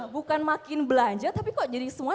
bukan makin belanja tapi kok jadi semua